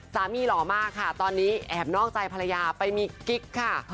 หล่อมากค่ะตอนนี้แอบนอกใจภรรยาไปมีกิ๊กค่ะ